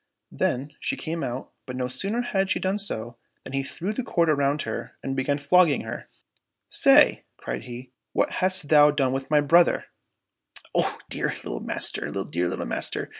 Then she came out, but no sooner had she done so, than he threw the cord around her and began flogging her. " Say," cried he, " what hast thou done with my brother }"—'' Oh, dear little master ! dear little master